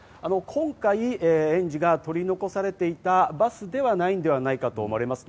今回、園児が取り残されていたバスではないんではないかと思われます。